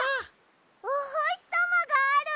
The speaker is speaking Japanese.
おほしさまがある！